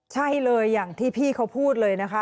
ใช่เลยอย่างที่พี่เขาพูดเลยนะคะ